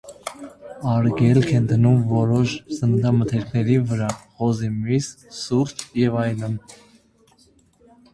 Արգելք են դնում որոշ սննդամթերքների վրա (խոզի միս, սուրճ և այլն)։